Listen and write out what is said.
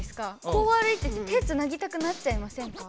こう歩いてて手つなぎたくなっちゃいませんか。